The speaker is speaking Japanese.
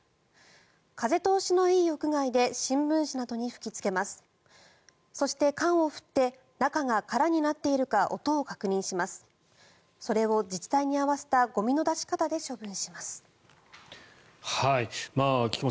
風通しのいい屋外で新聞紙などに吹きつけます。